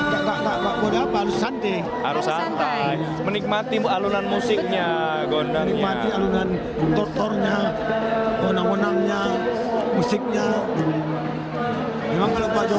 terhadap sebuah kemampuan yang berharga dan berharga yang berharga yang berharga